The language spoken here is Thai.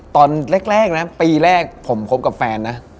ตอนแรกนะปีแรกผมคบกับแฟนนะ